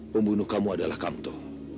pembunuh kamu adalah kamto